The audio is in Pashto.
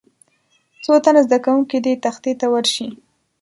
څو تنه زده کوونکي دې تختې ته ورشي.